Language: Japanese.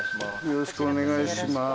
よろしくお願いします。